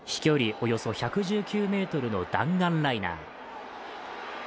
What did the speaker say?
およそ１１９ｍの弾丸ライナー。